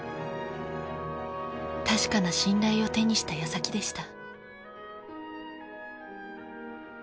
確かな信頼を手にしたやさきでした。